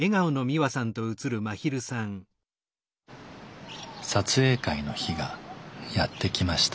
撮影会の日がやって来ました。